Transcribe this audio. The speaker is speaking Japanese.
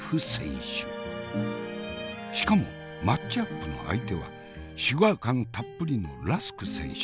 しかもマッチアップの相手はシュガー感たっぷりのラスク選手。